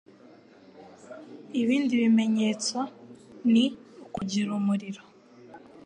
Ibindi bimenyetso ni ukugira umuriro